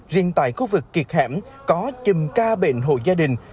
riêng tại khu vực kiệt hẻm có chùm ca bệnh hộ gia đình